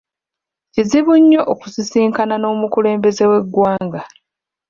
Kizibu nnyo okusisinkana n'omukulembeze w'eggwanga.